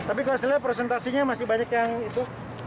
tapi kehasilnya presentasinya masih banyak yang itu